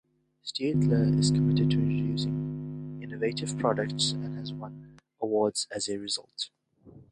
Staedtler is committed to introducing innovative products and has won awards as a result.